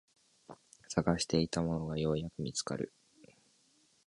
探していたものがようやく見つかる